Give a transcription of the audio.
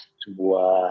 apa kader nasdem dipulih